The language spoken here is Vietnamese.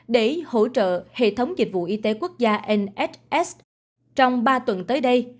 để hỗ trợ hệ thống dịch vụ y tế quốc gia nhss trong ba tuần tới đây